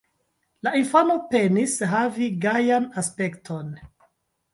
La infano penis havi gajan aspekton.